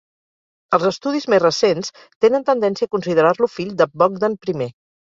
Els estudis més recents tenen tendència a considerar-lo fill de Bogdan I.